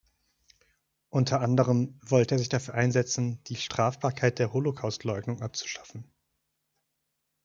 Unter anderem wollte er sich dafür einsetzen, die Strafbarkeit der Holocaustleugnung abzuschaffen.